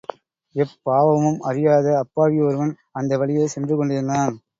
எப்பாவமும் அறியாத அப்பாவி ஒருவன் அந்த வழியே சென்று கொண்டிருந்தான்.